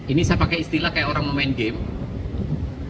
ini saya pakai istilah kayak orang memainkan permainan